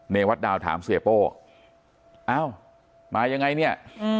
ในวัดดาวถามเซโป้เอ้ามายังไงเนี่ย